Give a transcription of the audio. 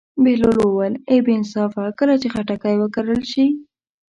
بهلول وویل: ای بې انصافه کله چې خټکی وکرل شي.